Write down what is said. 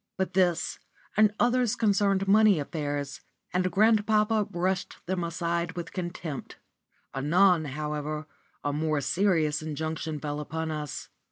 But this and others concerned money affairs, and grandpapa brushed them away with contempt. Anon, however, a more serious injunction fell upon us.